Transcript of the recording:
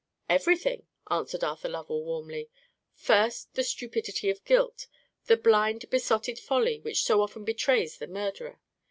"Everything," answered Arthur Lovell, warmly. "First, the stupidity of guilt, the blind besotted folly which so often betrays the murderer.